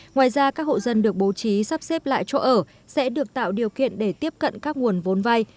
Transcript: ngoài ra các hộ dân được bố trí sắp xếp lại chỗ ở sẽ được tạo điều kiện để tiếp cận các nguồn vốn vay